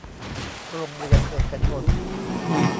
โรงเรียนเอกชน